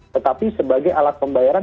tetapi sebagai alat pembayaran